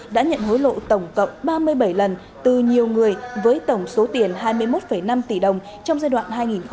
đã nhận hối lộ tổng cộng ba mươi bảy lần từ nhiều người với tổng số tiền hai mươi một năm tỷ đồng trong giai đoạn hai nghìn hai mươi hai nghìn hai mươi một